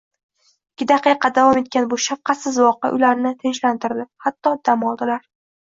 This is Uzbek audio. Ikki daqiqa davom etgan bu shafqatsiz voqea ularni tinchlantirdi, hatto dam oldilar.